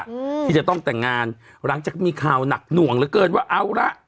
อืมที่จะต้องแต่งงานหลังจากมีข่าวหนักหน่วงเหลือเกินว่าเอาละ